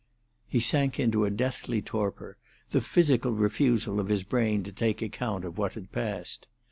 He sank into a deathly torpor, the physical refusal of his brain to take account of what had passed.